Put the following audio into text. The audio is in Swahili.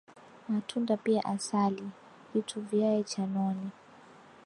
Matunda pia asali, vitu vyae chanoni,